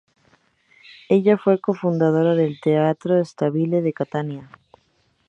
Ella fue cofundadora del Teatro Stabile de Catania.